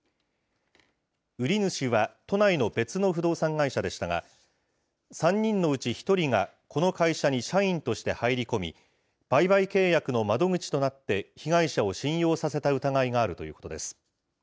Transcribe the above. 売り主は都内の別の不動産会社でしたが、３人のうち１人が、この会社に社員として入り込み、売買契約の窓口となって被害者を信用させた疑いがあるということです。